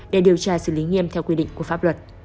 để điều tra xử lý nghiêm theo quy định của pháp luật